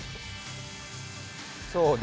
そうね。